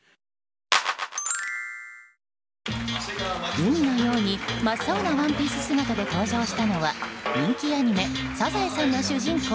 海のように真っ青なワンピース姿で登場したのは人気アニメ「サザエさん」の主人公